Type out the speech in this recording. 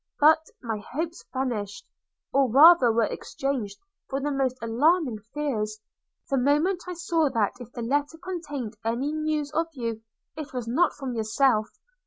But my hopes vanished, or rather were exchanged for the most alarming fears; the moment I saw that if the letter contained any news of you it was not from yourself.